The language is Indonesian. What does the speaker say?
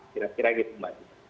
kira kira gitu mbak